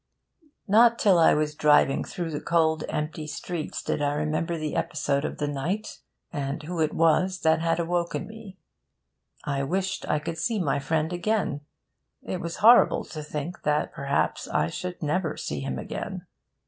Not till I was driving through the cold empty streets did I remember the episode of the night, and who it was that had awoken me. I wished I could see my friend again. It was horrible to think that perhaps I should never see him again.